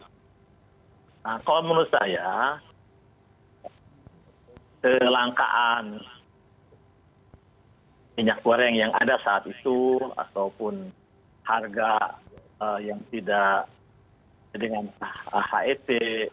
nah kalau menurut saya kelangkaan minyak goreng yang ada saat itu ataupun harga yang tidak dengan het